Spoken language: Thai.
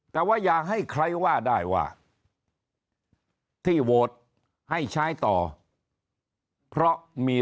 แต่ว่าอย่าให้ใครว่าได้ว่าที่โหวตให้ใช้ต่อเพราะมี